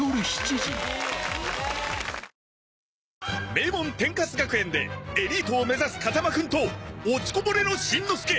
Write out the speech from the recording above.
名門天カス学園でエリートを目指す風間くんと落ちこぼれのしんのすけ